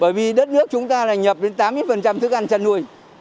bởi vì đất nước chúng ta lại nhập đến tám mươi thức ăn chăn nuôi